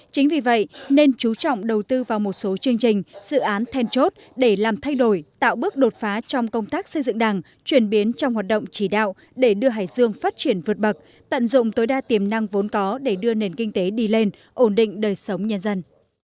chính vì vậy nên chú trọng đầu tư vào một số chương trình dự án then chốt để làm thay đổi tạo bước đột phá trong công tác xây dựng đảng chuyển biến trong hoạt động chỉ đạo để đưa hải dương phát triển vượt bậc tận dụng tối đa tiềm năng vốn có để đưa nền kinh tế đi lên ổn định đời sống nhân dân